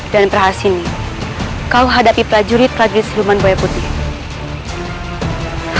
dan rara sini kau hadapi prajurit prajurit silman boya putih